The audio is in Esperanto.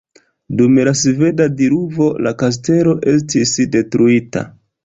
Dum la sveda diluvo la kastelo estis detruita.